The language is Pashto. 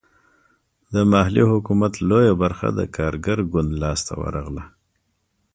د محلي حکومت لویه برخه د کارګر ګوند لاسته ورغله.